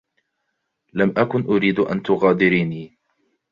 لم أكن أريد أن تغادريني.